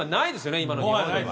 今の日本。